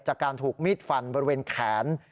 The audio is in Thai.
จากการถูกมีดฟันบริเวณแขน